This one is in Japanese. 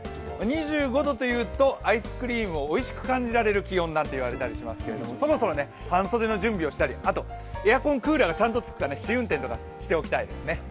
２５度というとアイスクリームをおいしく感じられる気温なんていわれますけれどもそろそろ半袖の準備をしたりクーラー、エアコンがちゃんとつくか試運転とかしておきたいですね。